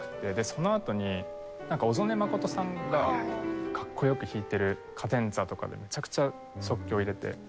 そのあとに小曽根真さんがかっこよく弾いてるカデンツァとかでめちゃくちゃ即興を入れて。